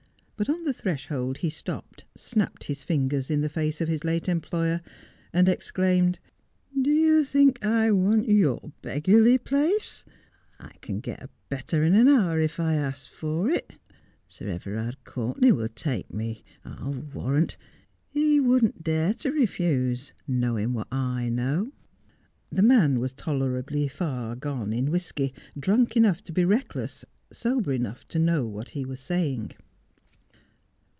But on the threshold he stopped, snapped his fingers in the face of his late employer, and exclaimed :—' Do you think I want your beggarly place 1 I can get a better in an hour if I like to ask for it. Sir Everard Courtenay will take me, I'll warrant. He wouldn't dare to refuse, knowing what I know.' The man was tolerably far gone in whisky, drunk enough to be reckless, sober enough to know what he was saying.